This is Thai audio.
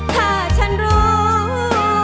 ถ้าฉันรู้